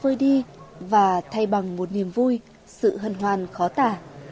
mình đã vơi đi và thay bằng một niềm vui sự hân hoàn khó tả